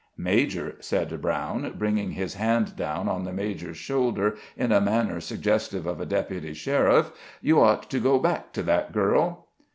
"Major," said Brown, bringing his hand down on the major's shoulder in a manner suggestive of a deputy sheriff, "you ought to go back to that girl!"